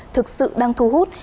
thực sự đang thu hút